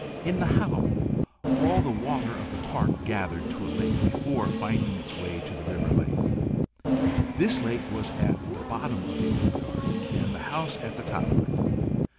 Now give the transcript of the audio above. In the hollow all the water of the park gathered to a lake before finding its way to the river Lythe. This lake was at the bottom of the old garden, and the house at the top of it.